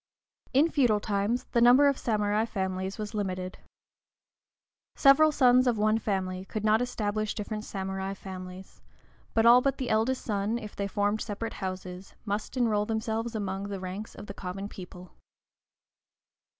In feudal times, the number of samurai families was limited. Several sons of one family could not establish different samurai families, but all but the eldest son, if they formed separate houses, must enroll themselves among the ranks of the common people.